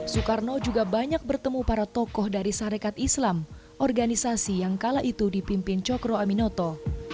soekarno juga banyak bertemu para tokoh dari sarekat islam organisasi yang kala itu dipimpin cokro aminoto